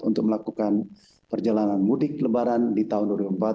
untuk melakukan perjalanan mudik lebaran di tahun dua ribu empat belas